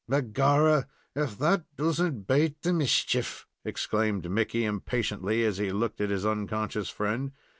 "Begorrah! if that does n't bate the mischief!" exclaimed Mickey, impatiently, as he looked at his unconscious friend.